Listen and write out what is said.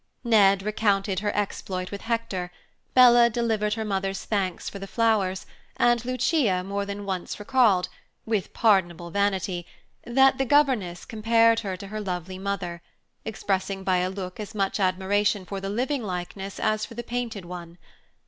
Ned recounted her exploit with Hector, Bella delivered her mother's thanks for the flowers, and Lucia more than once recalled, with pardonable vanity, that the governess had compared her to her lovely mother, expressing by a look as much admiration for the living likeness as for the painted one.